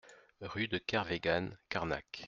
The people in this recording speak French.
Rue de Kervegan, Carnac